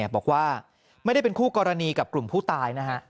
บอกว่าไม่ได้เป็นคู่กรณีกับกลุ่มผู้ตายนะฮะ